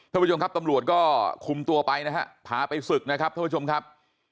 ท่านผู้ชมครับตำรวจก็คุมตัวไปนะฮะพาไปศึกนะครับท่านผู้ชมครับ